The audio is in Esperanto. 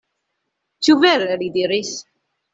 Ĉu vere? li diris.